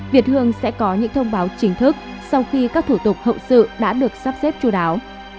việt hương sẽ có những thông báo chính thức sau khi các thủ tục hậu sự đã được sắp xếp chú đáo